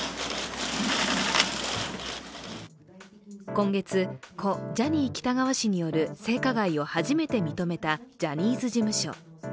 今月、故ジャニー喜多川氏による性加害を初めて認めたジャニーズ事務所。